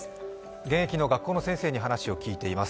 現役の学校の先生に話を聞いています。